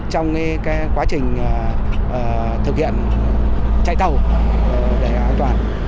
trong quá trình thực hiện chạy tàu để an toàn